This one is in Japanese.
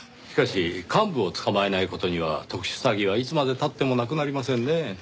しかし幹部を捕まえない事には特殊詐欺はいつまで経ってもなくなりませんね。